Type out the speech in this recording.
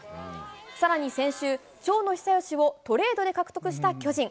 さらに先週、長野久義をトレードで獲得した巨人。